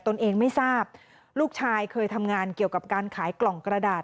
ตนเองไม่ทราบลูกชายเคยทำงานเกี่ยวกับการขายกล่องกระดาษ